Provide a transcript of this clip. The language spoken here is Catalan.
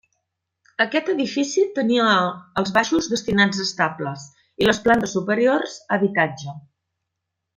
Aquest edifici tenia els baixos destinats a estables i les plantes superiors a habitatge.